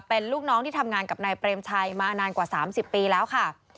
เป็นลูกน้องที่ทำงานกับนายเปรมชัยมานานกว่า๓๐ปีแล้วค่ะ